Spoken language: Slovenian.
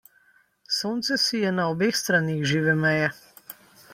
Sonce sije na obeh straneh žive meje.